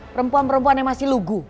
perempuan perempuan yang masih lugu